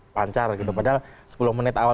pancar padahal sepuluh menit awal